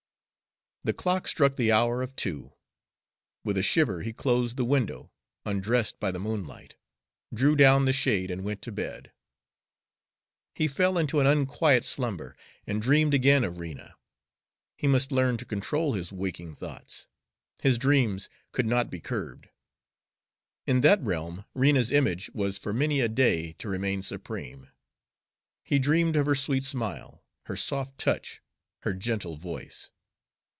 The clock struck the hour of two. With a shiver he closed the window, undressed by the moonlight, drew down the shade, and went to bed. He fell into an unquiet slumber, and dreamed again of Rena. He must learn to control his waking thoughts; his dreams could not be curbed. In that realm Rena's image was for many a day to remain supreme. He dreamed of her sweet smile, her soft touch, her gentle voice.